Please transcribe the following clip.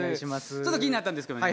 ちょっと気になったんですけどね